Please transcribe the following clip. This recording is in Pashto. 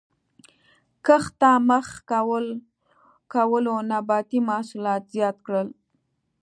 کښت ته مخه کولو نباتي محصولات زیات کړل